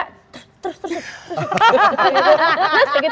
terus terus terus